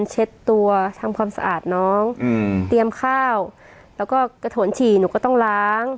เช็ดตัวทำความสะอาดน้องเตรียมข้าวแล้วก็กระโถนฉี่หนูก็ต้องล้าง